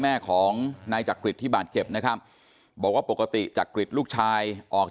แม่ของนายจักริตที่บาดเจ็บนะครับบอกว่าปกติจักริตลูกชายออก